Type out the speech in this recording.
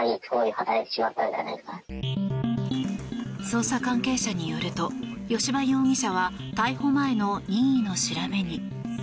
捜査関係者によると吉羽容疑者は逮捕前の任意の調べに。